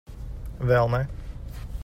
Vēl ne.